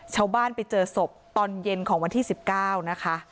ชาวบ้านไปเจอศพตอนเย็นของวันที่๑๙นะคะ